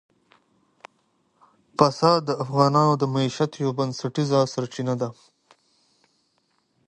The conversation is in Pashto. پسه د افغانانو د معیشت یوه بنسټیزه سرچینه ده.